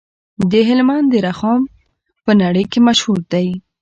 د هلمند رخام په نړۍ کې مشهور دی